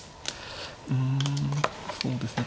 うんそうですね